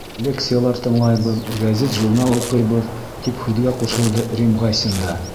Лекциялар тыңлайбыҙ, гәзит-журнал уҡыйбыҙ, — тип һүҙгә ҡушылды Рим Ғайсин да.